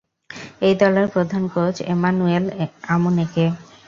এই দলের প্রধান কোচ এমানুয়েল আমুনেকে।